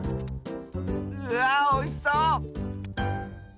うわおいしそう！